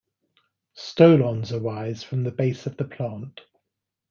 Stolons arise from the base of the plant.